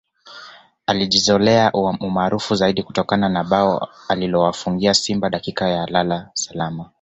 Alijizolea umaarufu zaidi kutokana na bao alilowafungia Simba dakika za lala salama